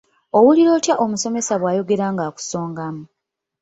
Owulira otya omusomesa bw'ayogera ng'akusongamu?